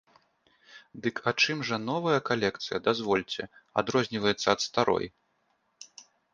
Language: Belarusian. Дык а чым жа новая калекцыя, дазвольце, адрозніваецца ад старой?